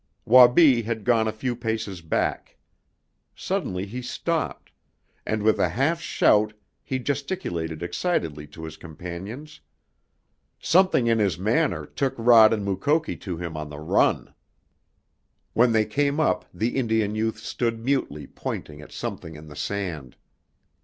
Wabi had gone a few paces back. Suddenly he stopped, and with a half shout he gesticulated excitedly to his companions. Something in his manner took Rod and Mukoki to him on the run. When they came up the Indian youth stood mutely pointing at something in the sand.